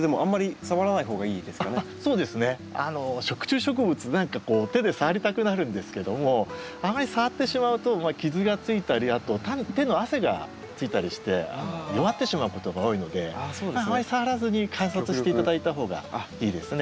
食虫植物何かこう手で触りたくなるんですけどもあまり触ってしまうと傷がついたりあと手の汗がついたりして弱ってしまうことが多いのであまり触らずに観察して頂いた方がいいですね。